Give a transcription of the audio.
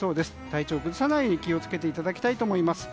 体調を崩さないように気を付けていただきたいと思います。